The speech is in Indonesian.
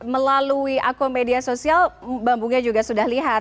melalui akun media sosial mbak bunga juga sudah lihat